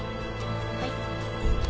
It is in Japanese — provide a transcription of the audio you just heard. はい。